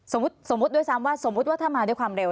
สมมุติด้วยซ้ำว่าสมมุติว่าถ้ามาด้วยความเร็ว